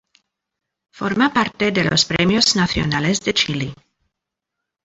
Forma parte de los Premios Nacionales de Chile.